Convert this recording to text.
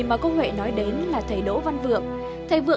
à con vịt đúng nào